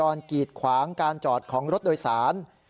กีดขวางการจอดของรถโดยสาร